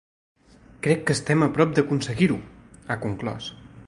Crec que estem a prop d’aconseguir-ho, ha conclòs.